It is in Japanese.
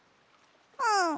うん。